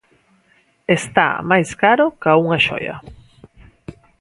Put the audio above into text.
Está máis caro ca unha xoia.